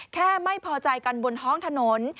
แค่ไม่พอใจกันบนท้องถนน